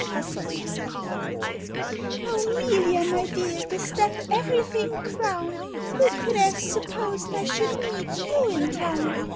THE RUINED MAID "O 'Melia, my dear, this does everything crown! Who could have supposed I should meet you in Town?